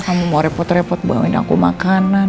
kamu mau repot repot bawain aku makanan